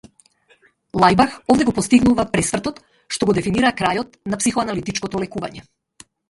Лајбах овде го постигнува пресвртот што го дефинира крајот на психоаналитичкото лекување.